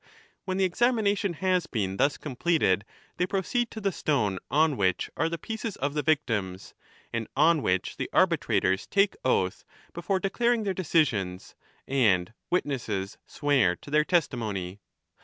When the examination has been thus completed, they proceed to the stone on which are the pieces of the victims, and on which the Arbitrators take oath before declaring their decisions, and witnesses swear to their testimony.